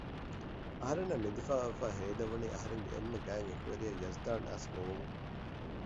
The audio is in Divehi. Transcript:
އަހަރެންނަށް ނިދިފައި އޮއްވާ ހޭލެވުނީ އަހަރެންގެ އެންމެ ގާތް އެކުވެރިޔާ ޔަޒްދާން އައިސް ގޮވުމުން